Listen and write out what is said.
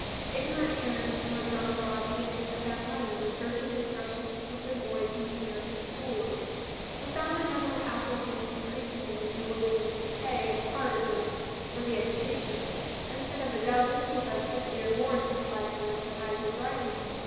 Ignorant parents who had gone abroad began to send back money, with urgent instructions to put their boys in the American schools. We found the number of applicants increasing and a new willingness to pay, in part at least, for the education. Instead of a dozen, we had sixty or more to provide for and the tide was rising.